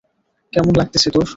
কেমন লাগতেছে তোর?